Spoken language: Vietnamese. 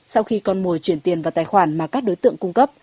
sau khi con mồi chuyển tiền vào tài khoản mà các đối tượng cung cấp